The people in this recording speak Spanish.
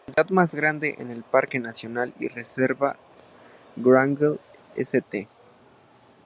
La unidad más grande es el parque nacional y reserva Wrangell-St.